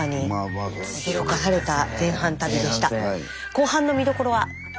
後半の見どころは？